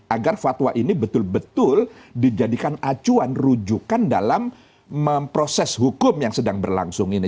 agar fatwa ini betul betul dijadikan acuan rujukan dalam proses hukum yang sedang berlangsung ini